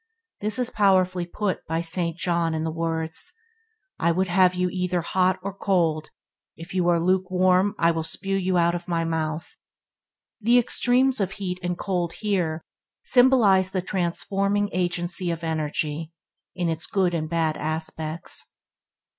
This is powerfully put by St. John in the words: "I would have you either hot or cold; if you are lukewarm I will spew you out of my mouth". The extremes of heat and cold here symbolize the transforming agency of energy, in its good and bad aspects.